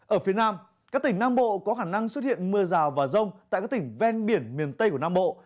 ở phía nam các tỉnh nam bộ có khả năng xuất hiện mưa rào và rông tại các tỉnh ven biển miền tây của nam bộ